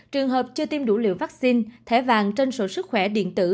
trường hợp chưa tiêm đủ liều vaccine thẻ vàng trên sổ sức khỏe điện tử